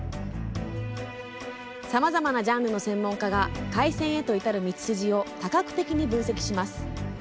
さまざまなジャンルの専門家が開戦へと至る道筋を多角的に分析します。